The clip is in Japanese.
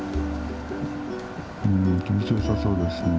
うん気持ちよさそうですね。